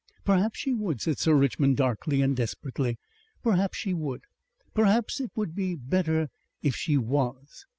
"Perhaps she would," said Sir Richmond darkly and desperately. "Perhaps she would. Perhaps it would be better if she was."